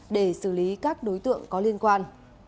để xử lý các đối tượng có liên quan